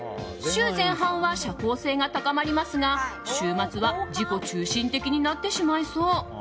週前半は社交性が高まりますが週末は自己中心的になってしまいそう。